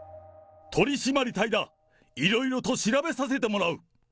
取締り隊だ、いろいろと調べさせてもらう。